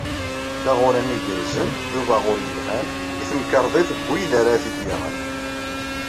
Taɣuri igerrzen, d ubaɣur yelhan, i temkerḍit n wid ara t-id-yaɣen.